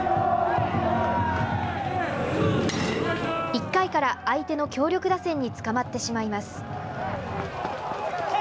１回から相手の強力打線につかまってしまいます。